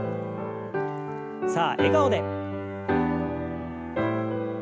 さあ笑顔で。